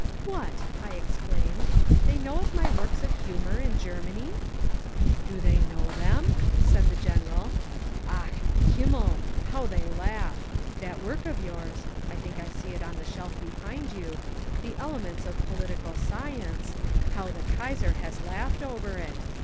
"What!" I exclaimed, "they know my works of humour in Germany?" "Do they know them?" said the General. "Ach! Himmel! How they laugh. That work of yours (I think I see it on the shelf behind you), The Elements of Political Science, how the Kaiser has laughed over it!